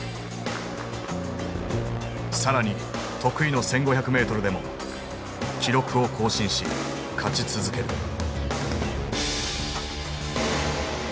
更に得意の１，５００ｍでも記録を更新し勝ち続ける。